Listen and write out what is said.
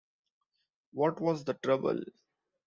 What was the trouble?